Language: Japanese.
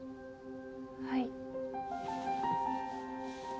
はい。